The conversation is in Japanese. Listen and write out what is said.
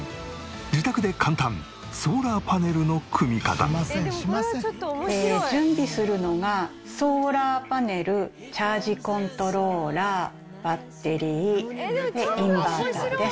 自宅で簡単準備するのがソーラーパネルチャージコントローラーバッテリーインバーターです。